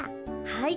はい。